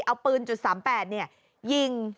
เอาปืน๓๘เนี่ย